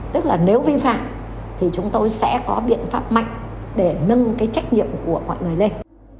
tức là nếu vi phạm thì chúng tôi sẽ có biện pháp mạnh để nâng cái trách nhiệm của mọi người lên